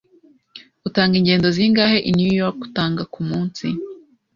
Utanga ingendo zingahe i New York utanga kumunsi?